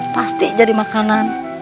pasti jadi makanan